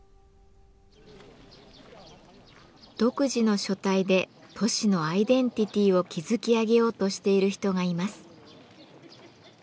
独自の書体で都市のアイデンティティーを築き上げようとしている人がいます。